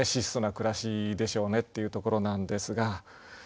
質素な暮らしでしょうねっていうところなんですが。